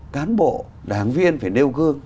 cán bộ đảng viên phải nêu gương